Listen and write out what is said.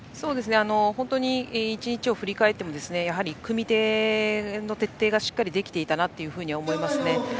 本当に１日を振り返ってもやはり組み手の徹底がしっかりできていたなと思いますね。